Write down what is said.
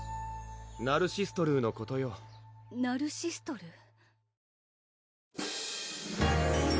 ナルシストルーのことよナルシストルー？